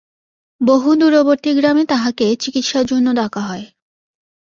বহু দূরবর্তী গ্রামে তাহাকে চিকিৎসার জন্য ডাকা হয়।